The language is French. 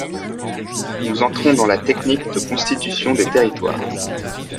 Nous entrons dans la technique de constitution des territoires.